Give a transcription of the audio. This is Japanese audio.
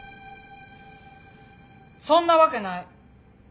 そんなわけない。